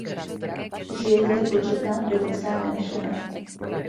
Žije zde početná turecká menšina.